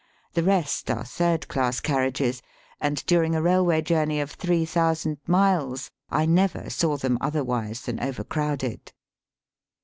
The rest are third class carriages, and during a railway journey of three thousand miles I never saw them otherwise than overcrowded.